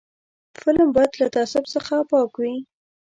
فلم باید له تعصب څخه پاک وي